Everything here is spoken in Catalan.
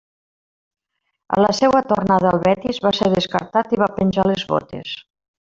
A la seua tornada al Betis, va ser descartat i va penjar les botes.